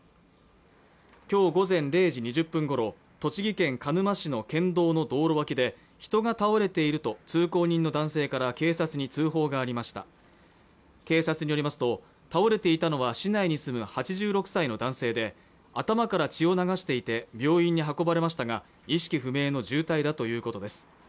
今日午前０時２０分ごろ栃木県鹿沼市の県道の道路脇で人が倒れていると通行人の男性から警察に通報がありました警察によりますと倒れていたのは市内に住む８６歳の男性で頭から血を流していて病院に運ばれましたが意識不明の重体だということです